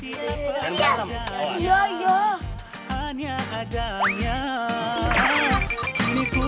siapa sih bawanya gitu